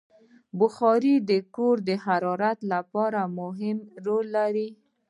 بخاري د کور د حرارت لپاره مهم رول لري.